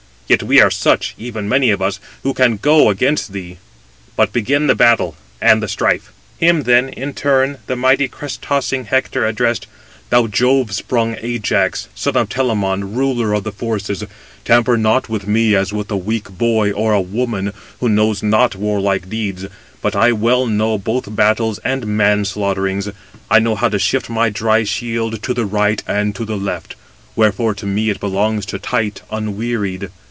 Yet we are such, even many of us, who can go against thee; but begin the battle and the strife." Him then in turn the mighty crest tossing Hector addressed: "Thou Jove sprung Ajax, son of Telamon, ruler of forces, tamper not with me as with a weak boy, or a woman, who knows not warlike deeds. But I well know both battles and man slaughterings. I know how to shift my dry shield to the right and to the left; wherefore to me it belongs to fight unwearied.